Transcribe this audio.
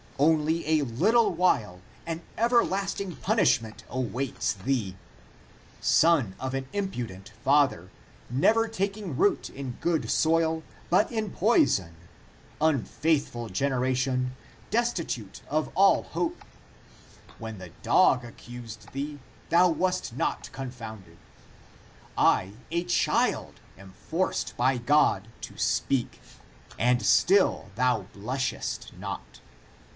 Only a little while, an everlasting punishment awaits thee. Son of an impudent father, never taking root in good (soil), but in poison; unfaithful generation, destitute of all hope : when the dog accused thee, 82 THE APOCRYPHAL ACTS thou wast not confounded. I, a child, am forced by God to speak and still thou blushest not.